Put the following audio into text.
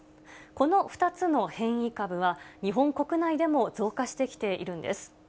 この２つの変異株は、日本国内でも増加してきているんです。